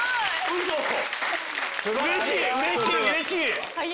うれしい！